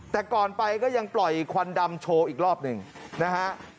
แต่ก่อนไปก็ยังปล่อยควันดำโชว์อีกรอบหนึ่งนะฮะ